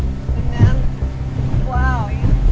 dengan wow ya